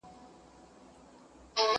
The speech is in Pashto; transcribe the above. په کړکۍ کي ورته پټ وو کښېنستلی!.